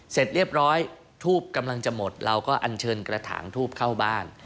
เสร็จเรียบร้อยทูบกำลังจะหมดเราก็อันเชิญกระถางทูบเข้าบ้าน